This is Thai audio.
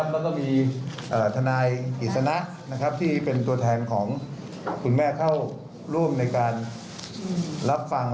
แล้วก็มีทนายกิจสนะที่เป็นตัวแทนของคุณแม่เข้าร่วมในการรับฟัง